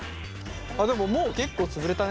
あっでももう結構つぶれたね。